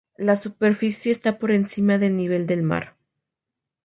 La superficie está por encima de nivel del mar.